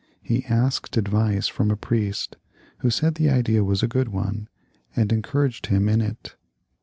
He asked advice from a priest, who said the idea was a good one, and encouraged him in it.